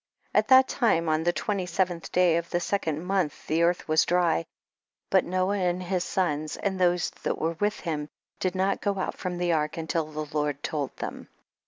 39. At that time, on the twenty seventh day of the second month, the earth was dry, but Noah and his sons, aixl those that were with him, did not go out from the ark until the Lord told them.